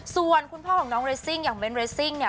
ส่วนคุณพ่อของน้องเรซิ่งอย่างเน้นเรสซิ่งเนี่ย